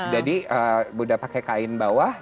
jadi mudah pakai kain bawah